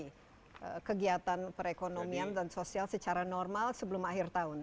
dari kegiatan perekonomian dan sosial secara normal sebelum akhir tahun